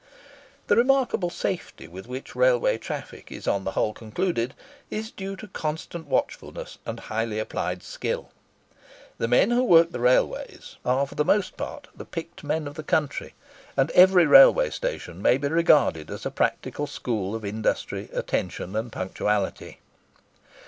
The remarkable safety with which railway traffic is on the whole conducted, is due to constant watchfulness and highly applied skill. The men who work the railways are for the most part the picked men of the country, and every railway station may be regarded as a practical school of industry, attention, and punctuality.